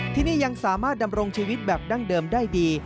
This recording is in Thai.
ที่นี่ยังสามารถดำรงชีวิตแบบดั้งเดิมได้ดี